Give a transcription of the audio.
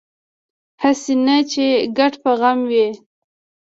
هسې نه چې ګډ په غم وي